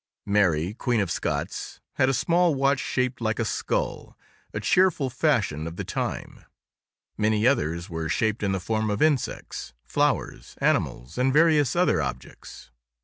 Mary Queen of Scots had a small watch shaped like a skull—a cheerful fashion of the time. Many others were shaped in the form of insects, flowers, animals, and various other objects.